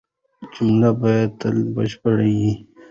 جمله باید تل بشپړه يي.